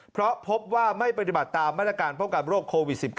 เพราะพบว่าไม่ปฏิบัติตามมาตรการป้องกันโรคโควิด๑๙